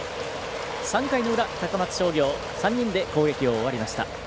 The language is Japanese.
３回の裏、高松商業３人で攻撃を終わりました。